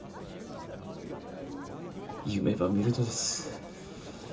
夢ば見るとです。